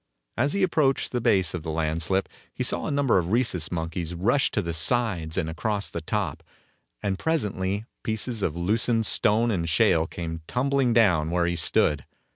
As he approached the base of the landslip, he saw a number of Rhesus monkeys rush to the sides and across the top, and presently pieces of loosened stone and shale came tumbling down where he stood.